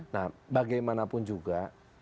nah bagaimanapun juga